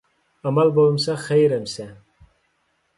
ئامال بولمىسا، خەير ئەمىسە!